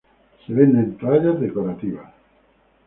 Se venden toallas decorativas.